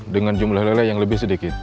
dengan jumlah lele yang lebih sedikit